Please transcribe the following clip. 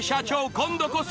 今度こそ。